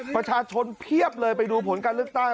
ประชาชนเพียบเลยไปดูผลการเลือกตั้ง